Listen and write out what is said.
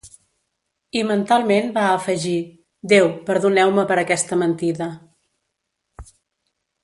I mentalment va afegir: "Déu, perdoneu-me per aquesta mentida".